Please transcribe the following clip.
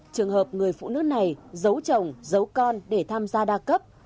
trường hợp người phụ nữ này giấu chồng giấu con để tham gia đa cấp